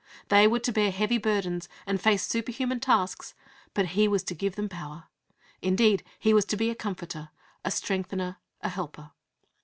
8). They were to bear heavy burdens and face superhuman tasks, but He was to give them power (Acts i. 8). Indeed, He was to be a Comforter, a Strengthener, a Helper.